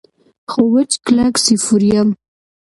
خو وچ کلک سیفور یم.